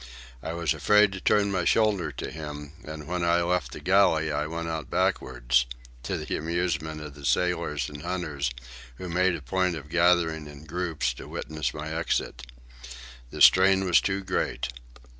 I was afraid to turn my shoulder to him, and when I left the galley I went out backwards—to the amusement of the sailors and hunters, who made a point of gathering in groups to witness my exit. The strain was too great.